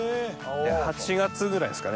８月ぐらいですかね